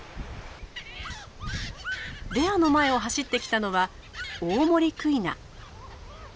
レアの前を走ってきたのはオオモリクイナ。